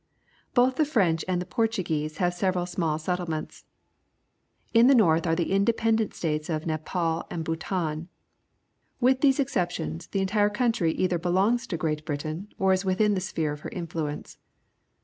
Both the French and the Portuguese have several small settlements. In the north are the independent states of Nepal and Bhutan. With these exceptions, the entire country either belongs to Great Britain or is within the sphere of her influence.